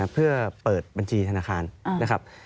เพื่อเปิดบัญชีธนาคารนะครับ